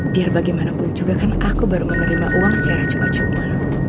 biar bagaimanapun juga kan aku baru menerima uang secara cuma cuma